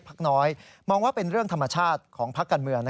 กรณีนี้ทางด้านของประธานกรกฎาได้ออกมาพูดแล้ว